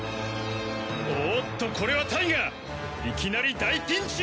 おっとこれはタイガいきなり大ピンチ！